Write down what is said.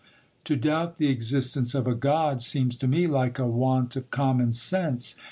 To doubt the existence of a God seems to me like a want of common sense.